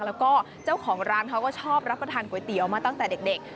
แล้วก็เจ้าของร้านเขาก็ชอบรับประทานก๋วยเตี๋ยวมาตั้งแต่เด็ก